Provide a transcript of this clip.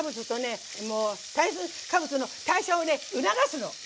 炭水化物の代謝を促すの！